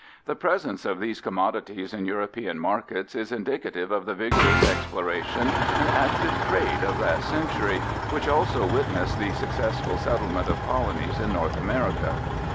The presence of these commodities in European markets is indicative of the vigorous exploration and active trade of that century, which also witnessed the successful settlement of colonies in North America.